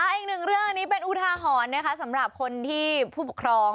อีกหนึ่งเรื่องอันนี้เป็นอุทาหรณ์นะคะสำหรับคนที่ผู้ปกครอง